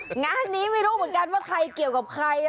งานนี้ไม่รู้เหมือนกันว่าใครเกี่ยวกับใคร